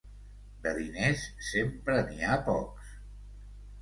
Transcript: De diners, sempre n'hi ha pocs.